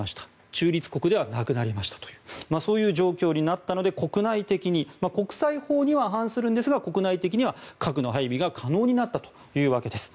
中立国ではなくなりましたとそういう状況になったので国内的に国際法に反するんですが国内的には核の配備が可能になったというわけです。